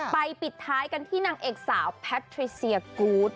ปิดท้ายกันที่นางเอกสาวแพทริเซียกูธ